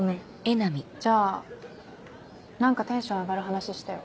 じゃあ何かテンション上がる話してよ。